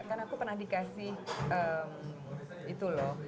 kan aku pernah dikasih itu loh